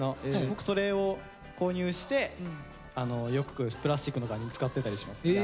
僕それを購入してよくプラスチックの代わりに使ってたりしますね。